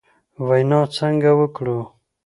وینا څنګه وکړو ؟